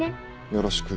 よろしく。